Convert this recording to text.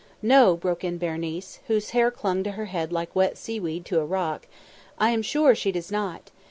"No," broke in Berenice, whose hair clung to her head like wet seaweed to a rock; "I am sure she does not.